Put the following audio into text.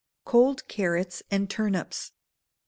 Cold Carrots and Turnips.